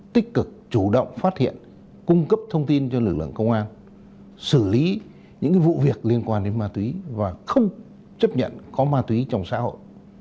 tích cực chủ động phát hiện cung cấp thông tin cho lực lượng công an xử lý những vụ việc liên quan đến ma túy và không chấp nhận có ma túy trong xã hội